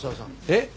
えっ？